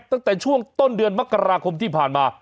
ตั้งแต่ช่วงต้นเดือนมกราคมที่ผ่านมา